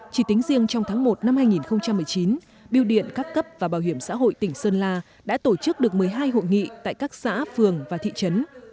chỉ tính riêng trong tháng một năm hai nghìn một mươi chín biêu điện các cấp và bảo hiểm xã hội tỉnh sơn la đã tổ chức được một mươi hai hội nghị tại các xã phường và thị trấn